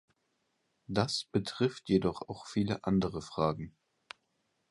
Das betrifft jedoch auch viele andere Fragen.